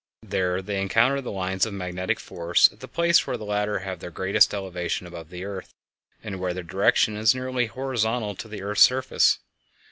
There they encounter the lines of magnetic force at the place where the latter have their greatest elevation above the earth, and where their direction is horizontal to the earth's surface.